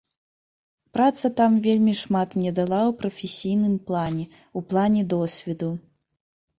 Праца там вельмі шмат мне дала ў прафесійным плане, у плане досведу.